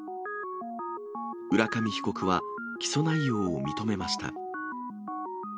浦上被告は、起訴内容を認めました。